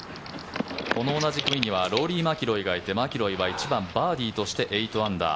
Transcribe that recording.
この同じ組にはローリー・マキロイがいてマキロイは１番、バーディーとして８アンダー。